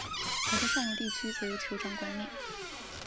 而在上游地区则由酋长管领。